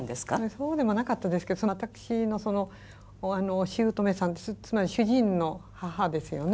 そうでもなかったですけど私のおしゅうとめさんつまり主人の母ですよね。